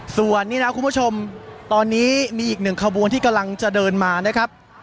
ส่วนนี้นะคุณผู้ชมตอนนี้มีอีกหนึ่งขบวนที่กำลังจะเดินมานะครับ